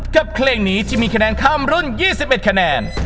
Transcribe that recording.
เพลงนี้ที่มีคะแนนข้ามรุ่น๒๑คะแนน